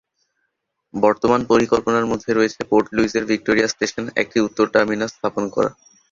বর্তমান পরিকল্পনার মধ্যে রয়েছে পোর্ট লুইসের ভিক্টোরিয়া স্টেশন একটি উত্তর টার্মিনাস স্থাপন করা।